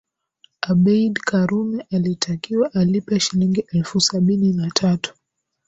Abeid Karume alitakiwa alipe Shilingi elfu sabini na tatu